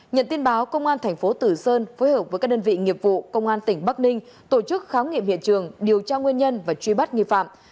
nhận tin báo công an thành phố tử sơn phối hợp với các đơn vị nghiệp vụ công an tỉnh bắc ninh tổ chức khám nghiệm hiện trường điều tra nguyên nhân và truy bắt nghi phạm